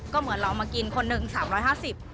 ก็เหมือนเรามากินคนหนึ่ง๓๕๐บาท